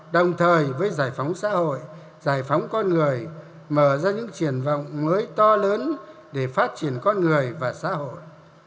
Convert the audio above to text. đồng thời với giải phóng xã hội giải phóng con người mở ra những triển vọng mới to lớn để phát triển con người và xã hội